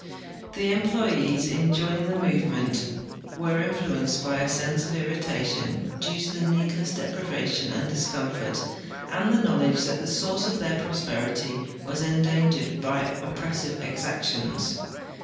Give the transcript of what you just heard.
The employes in joining the movement were influenced by a sense of irritation due to needless deprivation and discomfort and the knowledge that the source of their prosperity was endangered by oppressive exactions.